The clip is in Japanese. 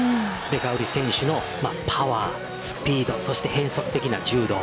ベカウリ選手のパワースピードそして変則的な柔道。